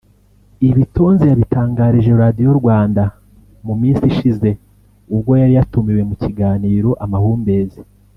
Ibi Tonzi yabitangarije Radiyo Rwanda mu minsi ishize ubwo yari yatumiwe mu kiganiro Amahumbezi